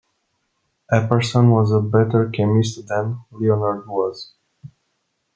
Apperson was "a better chemist than Leonard was".